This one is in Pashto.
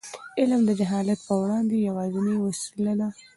علم د جهالت پر وړاندې یوازینۍ وسله ده.